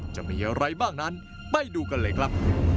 จะมีอะไรบ้างนั้นไปดูกันเลยครับ